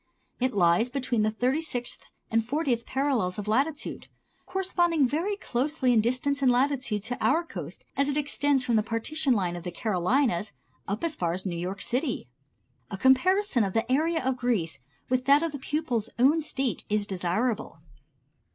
It lies between the thirty sixth and fortieth parallels of latitude, corresponding very closely in distance and latitude to our coast as it extends from the partition line of the Carolinas up as far as New York City. A comparison of the area of Greece with that of the pupil's own State is desirable.